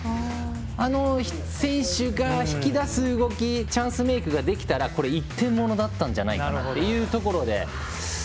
あの選手が引き出す動きチャンスメークができたらこれ１点ものだったんじゃないかなというところで。